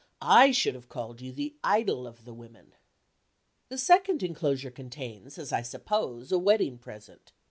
I should have called you The idol of the Women. The second inclosure contains, as I suppose, a wedding present.